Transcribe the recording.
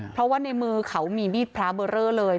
เพราะว่าในมือเขามีมีดพระเบอร์เรอเลย